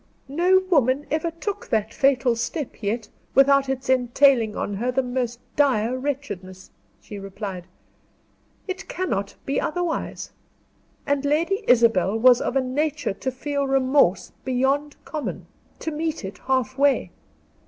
"No woman ever took that fatal step yet, without its entailing on her the most dire wretchedness," she replied. "It cannot be otherwise. And Lady Isabel was of a nature to feel remorse beyond common to meet it half way.